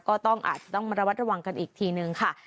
ก็ต้องอาจจะต้องมาระวัดระวังกันอีกทีนึงค่ะ